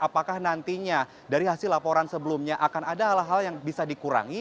apakah nantinya dari hasil laporan sebelumnya akan ada hal hal yang bisa dikurangi